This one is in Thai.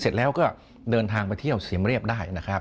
เสร็จแล้วก็เดินทางไปเที่ยวสิมเรียบได้